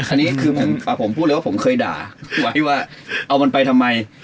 อันนี้คือผมพูดเลยว่าผมเคยด่าไว้ว่าเอามันไปทำไม